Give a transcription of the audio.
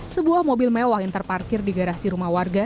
sebuah mobil mewah yang terparkir di garasi rumah warga